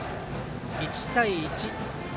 １対１。